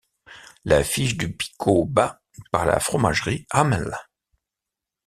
La fiche du Pikauba par la Fromagerie Hamel.